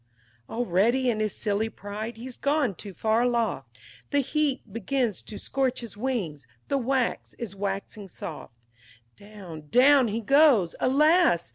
XI Already, in his silly pride, he's gone too far aloft; The heat begins to scorch his wings; the wax is waxing soft; Down down he goes! Alas!